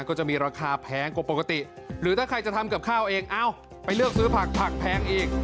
ก็จะมีราคาแพงกว่าปกติหรือถ้าใครจะทำกับข้าวเองเอ้าไปเลือกซื้อผักผักแพงอีก